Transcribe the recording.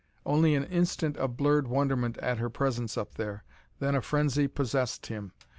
Only an instant of blurred wonderment at her presence up there then a frenzy possessed him.